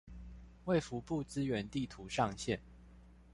衛福部資源地圖上線